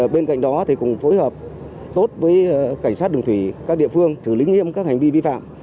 bên cạnh đó thì cũng phối hợp tốt với cảnh sát đường thủy các địa phương xử lý nghiêm các hành vi vi phạm